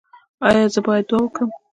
ایا زه باید دعا وکړم؟